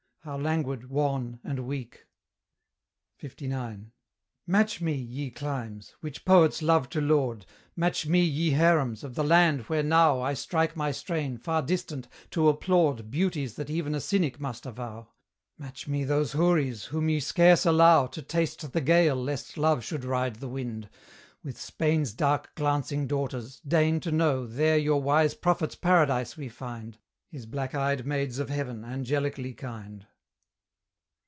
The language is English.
how languid, wan, and weak! LIX. Match me, ye climes! which poets love to laud; Match me, ye harems! of the land where now I strike my strain, far distant, to applaud Beauties that even a cynic must avow! Match me those houris, whom ye scarce allow To taste the gale lest Love should ride the wind, With Spain's dark glancing daughters deign to know, There your wise Prophet's paradise we find, His black eyed maids of Heaven, angelically kind.